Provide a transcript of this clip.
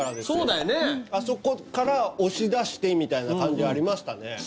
そうだよねあそこから押し出してみたいな感じはありましたね